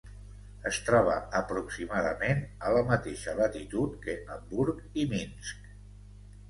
Es troba aproximadament a la mateixa latitud que Hamburg i Minsk.